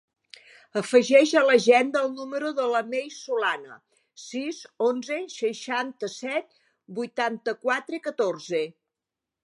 Afegeix a l'agenda el número de la Mei Solana: sis, onze, seixanta-set, vuitanta-quatre, catorze.